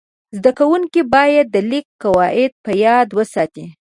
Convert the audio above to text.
زده کوونکي باید د لیک قواعد په یاد وساتي.